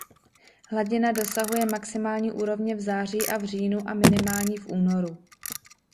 Hladina dosahuje maximální úrovně v září a v říjnu a minimální v únoru.